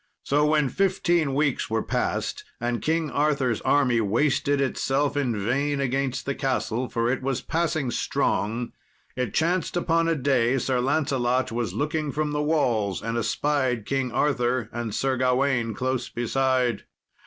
So when fifteen weeks were passed, and King Arthur's army wasted itself in vain against the castle, for it was passing strong, it chanced upon a day Sir Lancelot was looking from the walls and espied King Arthur and Sir Gawain close beside.